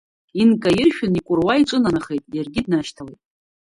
Инкаиршәын икәыруа аҿынанахеит, иаргьы днашьҭалеит.